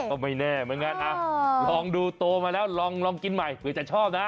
ก็ไม่แน่เหมือนกันลองดูโตมาแล้วลองกินใหม่เผื่อจะชอบนะ